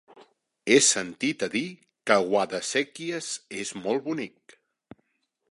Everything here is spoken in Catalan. He sentit a dir que Guadasséquies és molt bonic.